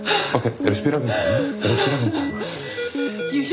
分かった。